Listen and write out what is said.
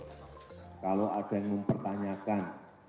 kalau ada yang mempertanyakan